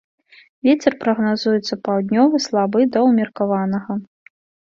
Вецер прагназуецца паўднёвы слабы да ўмеркаванага.